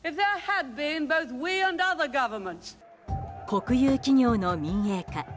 国有企業の民営化